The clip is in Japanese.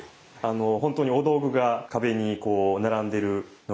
本当にお道具が壁にこう並んでるのが。